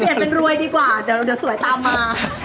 เปลี่ยนเป็นรวยดีกว่าเดี๋ยวเราจะสวยตามมา